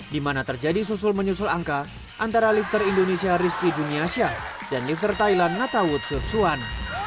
di mana terjadi susul menyusul angka antara lifter indonesia rizky juniasyah dan lifter thailand nathawood sursuan